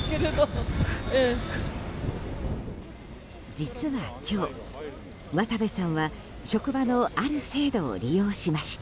実は今日、渡部さんは職場のある制度を利用しました。